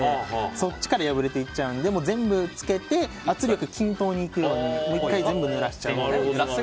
そっちから破れちゃうので全部、つけて圧力が均等にいくように全部ぬらしちゃう。